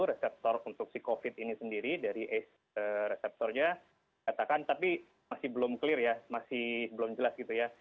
reseptor untuk si covid ini sendiri dari ace reseptornya katakan tapi masih belum clear ya masih belum jelas gitu ya